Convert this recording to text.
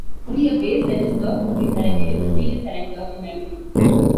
Only a base register could be selected in the field selector in memory.